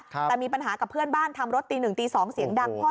แต่มีปัญหากับเพื่อนบ้านทำรถตีหนึ่งตี๒เสียงดังพ่อ